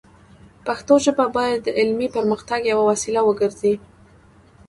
پښتو ژبه باید د علمي پرمختګ یوه وسیله وګرځي.